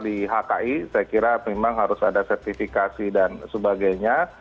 di hki saya kira memang harus ada sertifikasi dan sebagainya